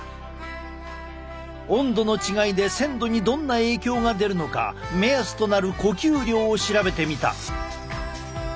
温度の違いで鮮度にどんな影響が出るのか目安となる呼吸量を調べてみた。